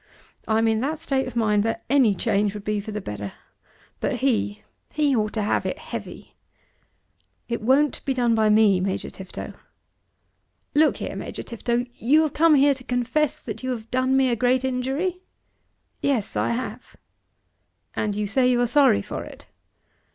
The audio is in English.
I'm in that state of mind that any change would be for the better. But he, he ought to have it heavy." "It won't be done by me, Major Tifto. Look here, Major Tifto; you have come here to confess that you have done me a great injury?" "Yes, I have." "And you say you are sorry for it."